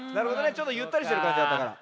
ちょっとゆったりしてるかんじだったから。